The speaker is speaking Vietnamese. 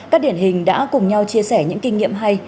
các điển hình đã cùng nhau chia sẻ những kinh nghiệm hay